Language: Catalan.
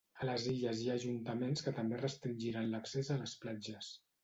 A les Illes hi ha ajuntaments que també restringiran l’accés a les platges.